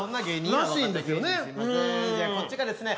じゃあこっちがですね